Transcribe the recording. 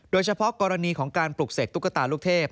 โดยเฉพาะกรณีของการปลูกเสกตุ๊กตาลูกเทพ